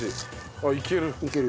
あっいける？